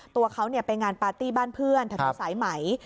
ตัวเขาเนี่ยไปงานปาร์ตี้บ้านเพื่อนถนนสายใหม่